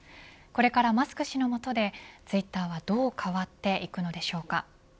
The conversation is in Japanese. これからマスク氏の下でツイッターはどう変わっていくのでしょうか。